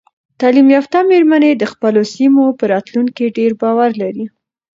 تعلیم یافته میرمنې د خپلو سیمو په راتلونکي ډیر باور لري.